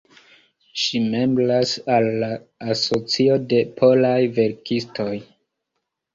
Ŝi membras al la Asocio de Polaj Verkistoj.